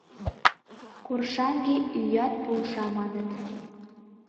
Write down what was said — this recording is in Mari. Коршаҥге ӱят полша, маныт.